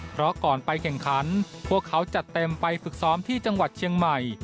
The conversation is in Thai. เพราะก่อนไปแข่งขันพวกเขาจัดเต็มไปฝึกซ้อมที่จังหวัดเชียงใหม่